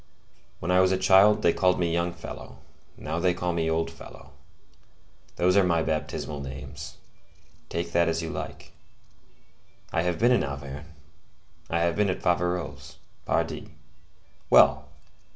When I was a child, they called me young fellow; now they call me old Fellow; those are my baptismal names; take that as you like. I have been in Auvergne; I have been at Faverolles. Pardi. Well!